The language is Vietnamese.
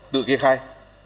tự kê khai